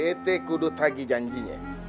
itu kudu tadi janjinya